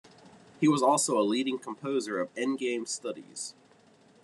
He was also a leading composer of endgame studies.